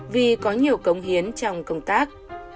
vì có nhiều cống hiến trong công tác